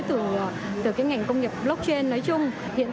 từ cái ngành công nghiệp blockchain nói chung